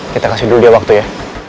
kita kasih dulu dia waktu ya